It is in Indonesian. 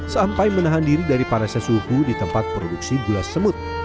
sampai menahan diri dari panasnya suhu di tempat produksi gula semut